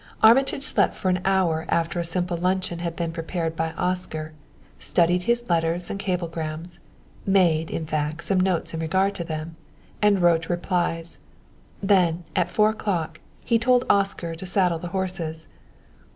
Armitage slept for an hour after a simple luncheon had been prepared by Oscar, studied his letters and cablegrams made, in fact, some notes in regard to them and wrote replies. Then, at four o'clock, he told Oscar to saddle the horses.